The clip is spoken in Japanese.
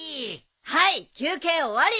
はい休憩終わり。